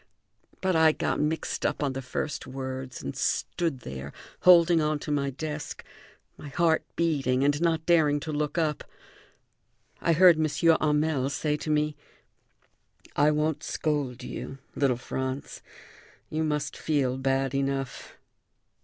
But I got mixed up on the first words and stood there, holding on to my desk, my heart beating, and not daring to look up. I heard M. Hamel say to me: "I won't scold you, little Franz; you must feel bad enough.